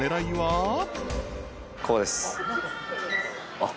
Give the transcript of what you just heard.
あっ。